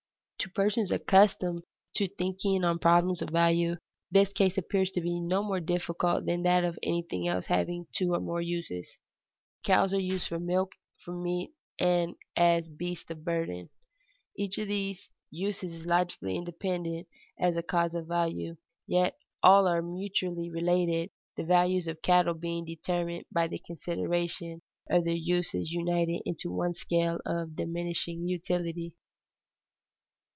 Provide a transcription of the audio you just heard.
To persons accustomed to thinking on problems of value, this case appears to be no more difficult than that of anything else having two or more uses. Cows are used for milk, for meat, and as beasts of burden. Each of these uses is logically independent as a cause of value, yet all are mutually related, the values of cattle being determined by the consideration of all their uses united into one scale of diminishing utility.